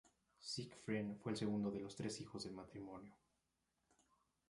Siegfried fue el segundo de los tres hijos del matrimonio.